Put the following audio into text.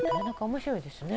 面白いですね。